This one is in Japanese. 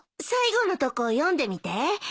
最後のとこ読んでみて。